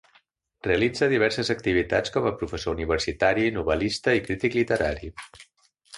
Realitza diverses activitats com a professor universitari, novel·lista i crític literari.